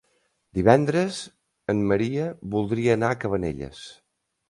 Divendres en Maria voldria anar a Cabanelles.